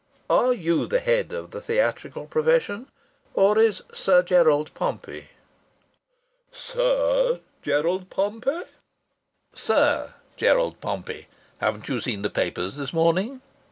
Are you the head of the theatrical profession, or is Sir Gerald Pompey?" "Sir Gerald Pompey?" "Sir Gerald Pompey. Haven't you seen the papers this morning?"